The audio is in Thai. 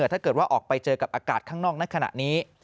ถ้าเกิดว่าออกไปเจอกับอากาศข้างนอกในขณะนี้